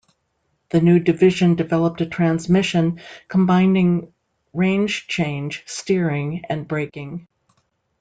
The new division developed a transmission combining range change, steering and braking.